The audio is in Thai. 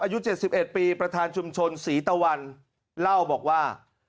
อายุ๗๑ปีประธานชุมชนศรีตะวันเล่าบอกว่า